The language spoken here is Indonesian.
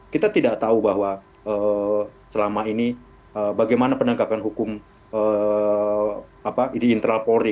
kita tidak tahu bahwa selama ini bagaimana penegakan hukum di internal polri